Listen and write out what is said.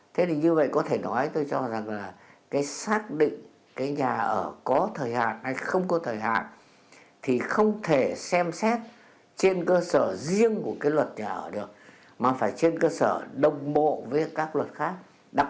thế thì như vậy có thể nói tôi cho rằng là cái xác định cái nhà ở có thời hạn hay không có thời hạn thì không thể xem xét trên cơ sở riêng của cái luật nhà ở được mà phải trên cơ sở đồng bộ với các luật khác